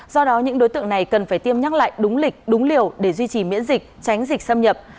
do đó những đối tượng này cần phải tiêm nhắc lại đúng lịch đúng liều để duy trì miễn dịch tránh dịch xâm nhập